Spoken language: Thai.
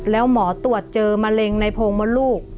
แล้วหมอตรวจเจอมะเร็งในโพงมดลูก